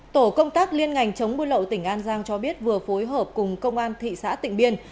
tổ công tác liên ngành chống buôn lậu tỉnh an giang cho biết vừa phối hợp cùng công an thị xã tịnh biên